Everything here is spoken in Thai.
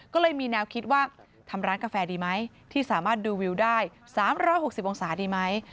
ก็เลยมีแนวคิดว่าทำร้านกาแฟดีไหมที่สามารถดูวิวได้๓๖๐องศาดีไหม